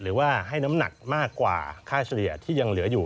หรือว่าให้น้ำหนักมากกว่าค่าเฉลี่ยที่ยังเหลืออยู่